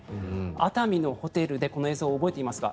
熱海のホテルでこの映像、覚えていますか？